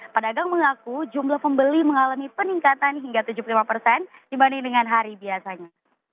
pedagang mengaku jumlah pembeli mengalami peningkatan hingga tujuh puluh lima persen dibanding dengan hari biasanya